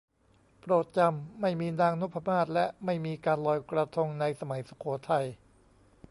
โปรดจำ ไม่มีนางนพมาศ และไม่มีการลอยกระทง ในสมัยสุโขทัย